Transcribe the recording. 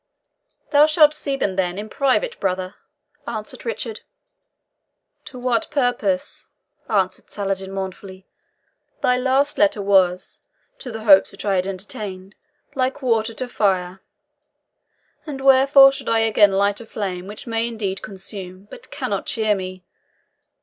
"Thou shalt see them, then, in private, brother," answered Richard. "To what purpose?" answered Saladin mournfully. "Thy last letter was, to the hopes which I had entertained, like water to fire; and wherefore should I again light a flame which may indeed consume, but cannot cheer me?